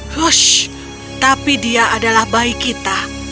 hush tapi dia adalah baik kita